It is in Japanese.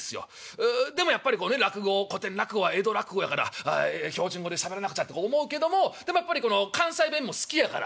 ううでもやっぱりこう古典落語は江戸落語やから標準語でしゃべらなくちゃと思うけどもでもやっぱり関西弁も好きやから。